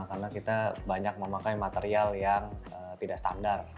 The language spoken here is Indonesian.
karena kita banyak memakai material yang tidak standar